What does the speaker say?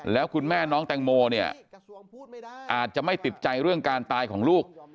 แล้วคุณแม่น้องแตงโมเนี่ยอาจจะไม่ติดใจเรื่องการตายของลูก